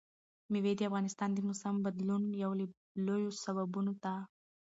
مېوې د افغانستان د موسم د بدلون یو له لویو سببونو ده.